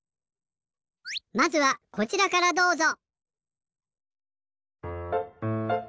まずはこちらからどうぞ。